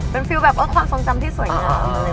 เป็นฟิลแบบความทรงจำที่สวยงาม